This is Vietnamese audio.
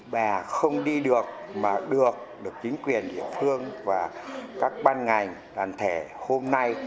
bà không đi được mà được được chính quyền địa phương và các ban ngành đàn thẻ hôm nay